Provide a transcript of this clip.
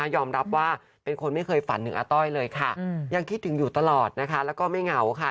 ยอมรับว่าเป็นคนไม่เคยฝันหนึ่งอาต้อยเลยยังคิดถึงอยู่ตลอดและไม่เหงา